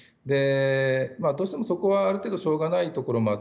どうしても、そこはある程度しょうがないところもあって。